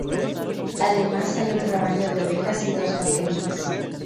Además hay un rebaño de ovejas y dos vaquerías.